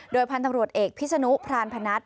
พันธุ์ตำรวจเอกพิษนุพรานพนัท